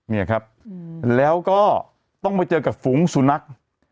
เนี่ยครับแล้วก็ต้องไปเจอกับฝูงสุนัข